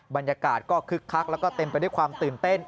บรรยากาศก็คึกคักแล้วก็เต็มไปด้วยความตื่นเต้น